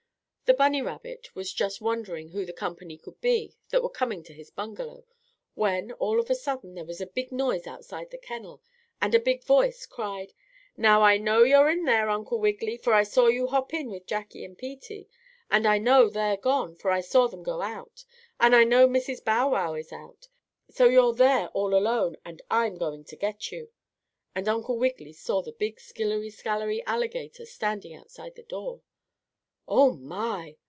The bunny rabbit was just wondering who the company could be that were coming to his bungalow, when, all of a sudden, there was a big noise outside the kennel, and a big voice cried: "Now I know you're in there, Uncle Wiggily, for I saw you hop in with Jackie and Peetie. And I know they're gone, for I saw them go out. And I know Mrs. Bow Wow is out. So you're there all alone and I'm going to get you!" And Uncle Wiggily saw the big skillery scalery alligator standing outside the door. "Oh, my!"